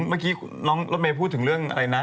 เมื่อกี้น้องรถเมย์พูดถึงเรื่องอะไรนะ